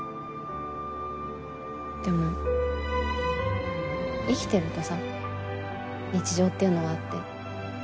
でも生きてるとさ日常っていうのはあって。